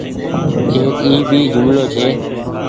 ايڪ اي ڀي جملو ڇي